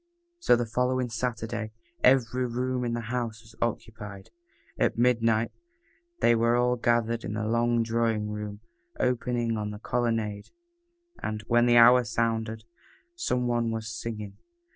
So the following Saturday every room in the house was occupied. At midnight they were all gathered in the long drawing room opening on the colonnade, and, when the hour sounded, some one was singing.